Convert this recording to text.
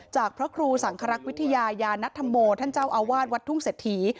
จากพระครูสังครักษ์วิทยายานัทธรโมท่านเจ้าอาวาสวัดทุ่งเศรษฐี